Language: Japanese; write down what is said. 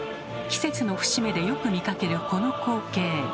季節の節目でよく見かけるこの光景。